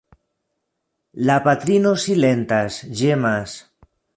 La patrino silentas, ĝemas.